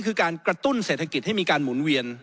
คือการกระตุ้นเศรษฐกิจให้มีการหมุนเวียน